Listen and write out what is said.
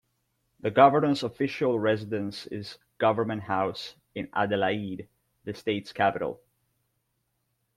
The Governor's official residence is Government House, in Adelaide, the state's capital.